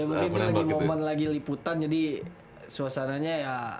itu lagi momen lagi liputan jadi suasananya ya